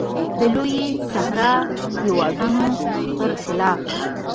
د لویې صحرا د هېوادونو پر خلاف.